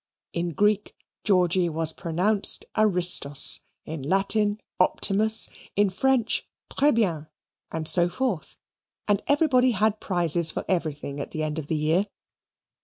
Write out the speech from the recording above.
In Greek Georgy was pronounced aristos, in Latin optimus, in French tres bien, and so forth; and everybody had prizes for everything at the end of the year.